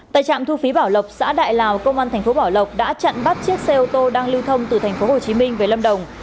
tại trạm thu phí bảo lộc xã đại lào công an tp bảo lộc đã chặn bắt chiếc xe ô tô đang lưu thông từ tp hcm về lâm đồng